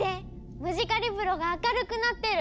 ムジカリブロが明るくなってる！